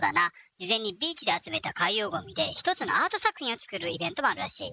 事前にビーチで集めた海洋ごみで１つのアート作品を作るイベントもあるらしい。